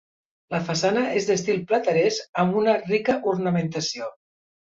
La façana és d’estil plateresc amb una rica ornamentació.